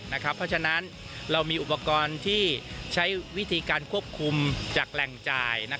เพราะฉะนั้นเรามีอุปกรณ์ที่ใช้วิธีการควบคุมจากแหล่งจ่าย